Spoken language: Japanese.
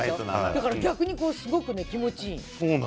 だから逆にすごく気持ちいい。